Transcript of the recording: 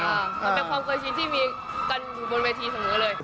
มันเป็นความเคยชินที่มีกันอยู่บนเวทีเสมอเลย